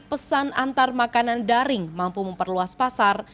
pesan antar makanan daring mampu memperluas pasar